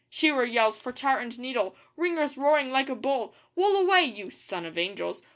Shearer yells for tar and needle. Ringer's roaring like a bull: 'Wool away, you (son of angels).